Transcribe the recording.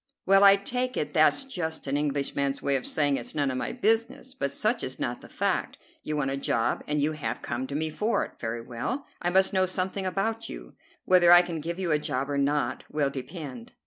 "Well, I take it that's just an Englishman's way of saying it's none of my business; but such is not the fact. You want a job, and you have come to me for it. Very well; I must know something about you. Whether I can give you a job or not will depend.